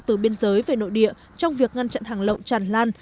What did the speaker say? từ biên giới về nội địa trong việc ngăn chặn hàng lậu tràn lan